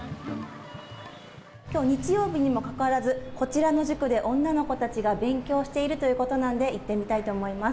きょう、日曜日にもかかわらずこちらの塾で女の子たちが勉強しているということなので行ってみたいと思います。